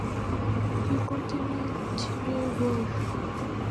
He continued Rivera's progressive programs and created a mostly civilian cabinet.